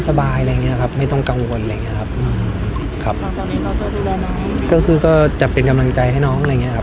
อย่างเงี้ยครับไม่ต้องขอบคุณครับอ่าขอบคุณครับตอนนี้ยังไงครับ